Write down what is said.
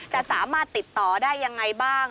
จะสามารถติดต่อได้ยังไงบ้าง